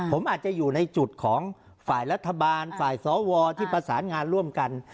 ผมอาจจะอยู่ในจุดของฝ่ายรัฐบาลฝ่ายสวที่ประสานงานร่วมกัน